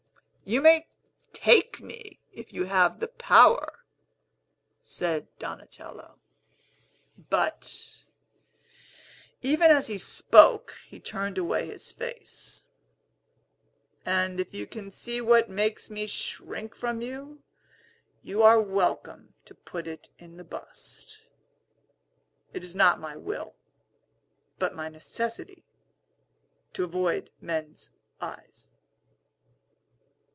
"You may take me if you have the power," said Donatello; but, even as he spoke, he turned away his face; "and if you can see what makes me shrink from you, you are welcome to put it in the bust. It is not my will, but my necessity, to avoid men's eyes.